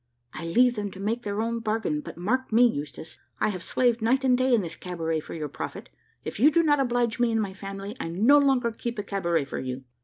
I leave them to make their own bargain; but mark me, Eustache, I have slaved night and day in this cabaret for your profit; if you do not oblige me and my family, I no longer keep a cabaret for you."